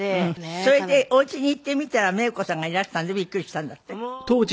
それでお家に行ってみたらメイコさんがいらしたんでびっくりしたんだって？